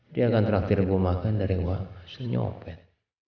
dia akan traktir gue makan dari wang senyopet